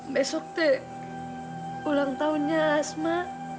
besok ulang tahunnya asma